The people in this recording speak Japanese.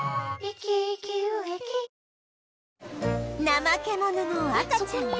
ナマケモノの赤ちゃんが